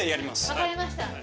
わかりました。